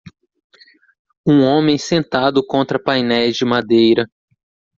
Um homem sentado contra painéis de madeira.